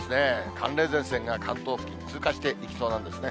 寒冷前線が関東付近、通過していきそうなんですね。